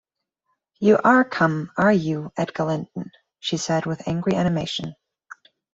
'You are come, are you, Edgar Linton?’ she said, with angry animation.